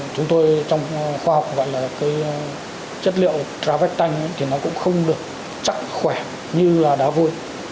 chúng tôi trong khoa học gọi là chất liệu tra vách tanh thì nó cũng không được chắc khỏe như là đá vôi